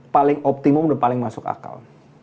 paling optimum dan paling masuk akal